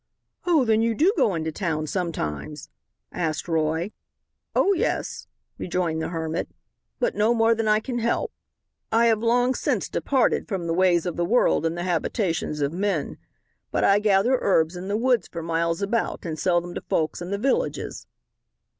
"Oh, then, you do go into town sometimes?" asked Roy. "Oh, yes," rejoined the hermit, "but no more than I can help. I have long since departed from the ways of the world and the habitations of men. But I gather herbs in the woods for miles about and sell them to folks in the villages."